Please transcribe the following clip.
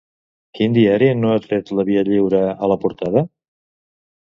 Quin diari no ha tret la Via Lliure a la portada?